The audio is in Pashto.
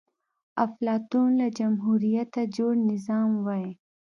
افلاطون له جمهوريته جوړ نظام وای